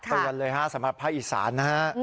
เตือนเลยสำหรับภาคอีสาน